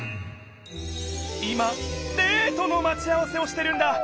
今デートのまち合わせをしてるんだ。